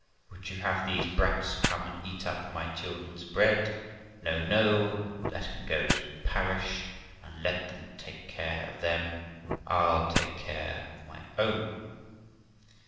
Would you have these brats come and eat up my children's bread ? No, no, let 'em go to the parish, and let them take care of them; I'll take care of my own.'